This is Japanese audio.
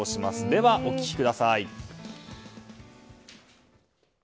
では、お聞きください。